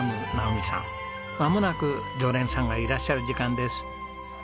まもなく常連さんがいらっしゃる時間です。